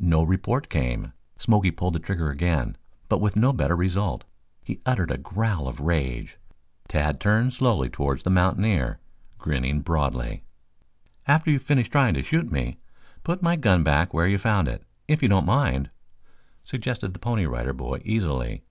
No report came. Smoky pulled the trigger again, but with no better result. He uttered a growl of rage. Tad turned slowly towards the mountaineer, grinning broadly. "After you have finished trying to shoot me, put my gun back where you found it, if you don't mind," suggested the Pony Rider Boy easily.